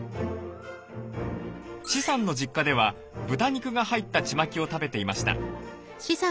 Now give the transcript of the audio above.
施さんの実家では豚肉が入ったチマキを食べていました。